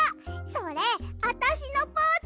それあたしのポーズ！